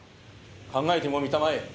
考えてもみたまえ。